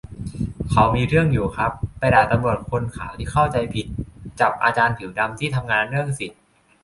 เขามีเรื่องอยู่ครับ ไปด่าตำรวจคนขาวที่เข้าใจผิด จับอาจารย์ผิวดำที่ทำงานเรื่องสิทธิ